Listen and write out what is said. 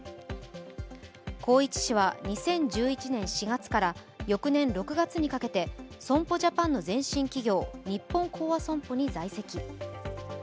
宏一氏は２０１１年４月から翌年６月にかけて損保ジャパンの前身企業、日本興亜損保に在籍。